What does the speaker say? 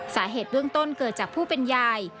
สาเหตุเบื้องต้นเกิดจากผู้เป็นยาย